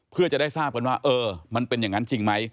เพื่อจะได้ทราบกันว่าเออมันเป็นอย่างนั้นจริงไหม